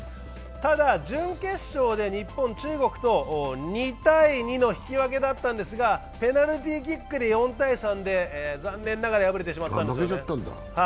ただ準決勝で日本は中国と２−０の引き分けだったんですが、ペナルティーキックで４−３で残念ながら敗れてしまったんですね。